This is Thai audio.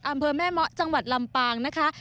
อำเภอแม่เมาะจังหวัดลำปางนะคะ